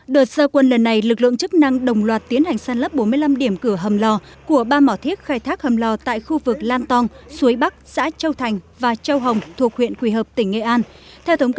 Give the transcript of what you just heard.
đợt gia quân lần này lực lượng chức năng đồng loạt tiến hành săn lấp bốn mươi năm điểm cửa hầm lò của ba mỏ thiết khai thác hầm lò tại khu vực lan tong suối bắc xã châu thành và châu hồng thuộc huyện quỳ hợp tỉnh nghệ an